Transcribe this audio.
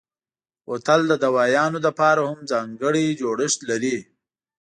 بوتل د دوایانو لپاره هم ځانګړی جوړښت لري.